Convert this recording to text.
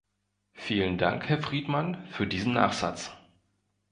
Vielen Dank, Herr Friedmann, für diesen Nachsatz.